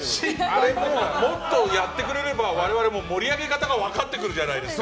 あれ、もっとやってくれれば我々も盛り上げ方が分かってくるじゃない。